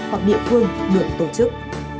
hoặc địa phương được tổ chức